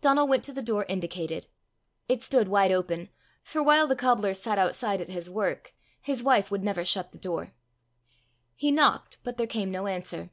Donal went to the door indicated. It stood wide open; for while the cobbler sat outside at his work, his wife would never shut the door. He knocked, but there came no answer.